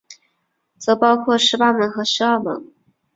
则包括十八门和十二门。